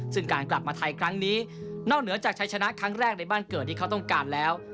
ซึ่งการกลับมาไทยครั้งนี้นอกเหนือจากชัยชนะครั้งแรกในบ้านเกิดที่เขาต้องการแล้ว